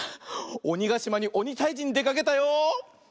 おにがしまにおにたいじにでかけたよ。